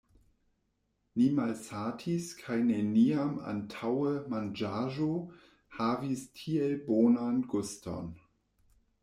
Ni malsatis kaj neniam antaŭe manĝaĵo havis tiel bonan guston.